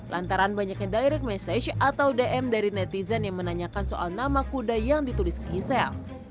lantaran banyaknya direct message atau dm dari netizen yang menanyakan soal nama kuda yang ditulis gisela